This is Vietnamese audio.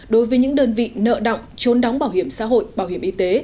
đối với những đơn vị nợ động trốn đóng bảo hiểm xã hội bảo hiểm y tế